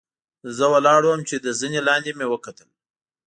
زۀ ولاړ ووم چې د زنې لاندې مې وکتل